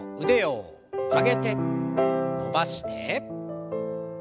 腕を曲げて伸ばして。